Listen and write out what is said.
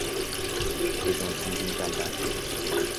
最终清军战败。